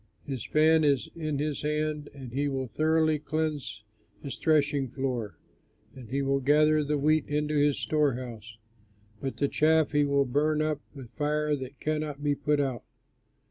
His fan is in his hand, and he will thoroughly cleanse his threshing floor, and will gather the wheat into his storehouse; but the chaff he will burn up with fire that cannot be put out."